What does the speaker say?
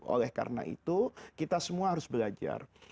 oleh karena itu kita semua harus belajar